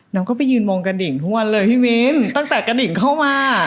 น้องก็ไปยืนมองกระดิ่งทุกวันเลยพี่วินตั้งแต่กระดิ่งเข้ามา